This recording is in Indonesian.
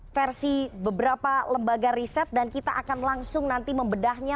versi beberapa lembaga riset dan kita akan langsung nanti membedahnya